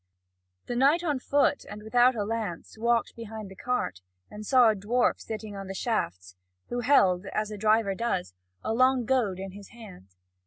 The knight on foot, and without a lance, walked behind the cart, and saw a dwarf sitting on the shafts, who held, as a driver does, a long goad in his hand.